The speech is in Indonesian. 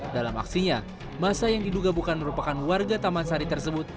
dalam aksinya masa yang diduga bukan merupakan warga taman sari tersebut